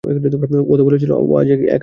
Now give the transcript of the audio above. ও তো বলেছিলো, ও আজ একাই থাকবে।